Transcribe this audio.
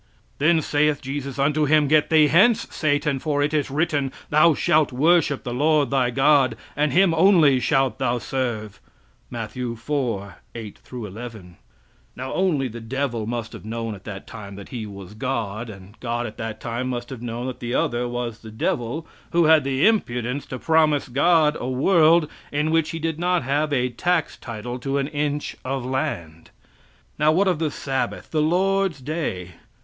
"Then saith Jesus unto him, Get thee hence, Satan, for it is written, Thou shalt worship the Lord thy God, and him only shalt thou serve." Matthew iv, 8 11. (Now only the devil must have known at that time that He was God, and God at that time must have known that the other was the devil, who had the impudence to promise God a world in which he did not have a tax title to an inch of land.) Now, what of the Sabbath the Lord's day?